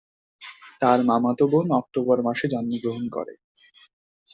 তার মামাতো বোন অক্টোবর মাসে জন্মগ্রহণ করে।